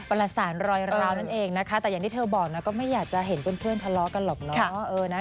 ประสานรอยร้าวนั่นเองนะคะแต่อย่างที่เธอบอกนะก็ไม่อยากจะเห็นเพื่อนทะเลาะกันหรอกเนาะ